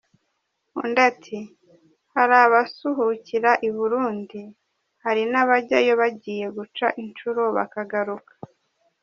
Undi ati “ Hari abasuhukira i Burundi, hari n’abajyayo bagiye guca incuro bakagaruka.